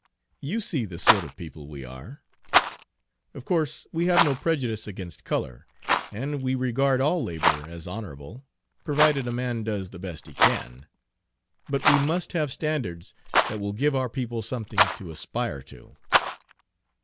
You see the sort of people we are. Of course we have no prejudice against color, and we regard all labor as honorable, provided a man does the best he can. But we must have standards that will give our people something to aspire to."